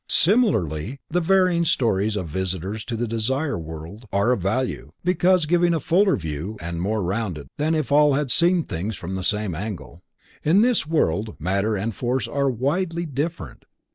Similarly, the varying stories of visitors to the Desire World are of value, because giving a fuller view, and more rounded, than if all had seen things from the same angle. In this world matter and force are widely different.